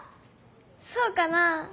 そうかなあ？